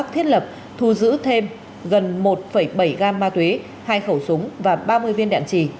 thu giữ thêm gần một bảy gram ma túy hai khẩu súng và ba mươi viên đạn trì